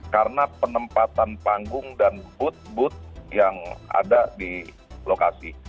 karena penempatan panggung dan booth booth yang ada di lokasi